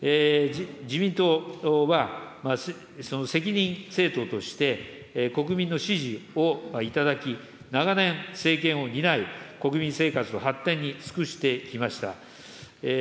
自民党は、責任政党として国民の支持を頂き、長年、政権を担い、国民生活の発展に尽くしてきました。